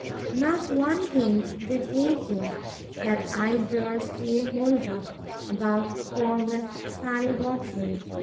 Not one hint did he give, that I durst lay hold of, about poor Miss Sally Godfrey.